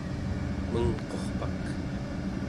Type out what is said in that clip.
mengqurpak